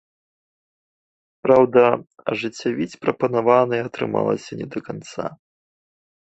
Праўда, ажыццявіць прапанаванае атрымалася не да канца.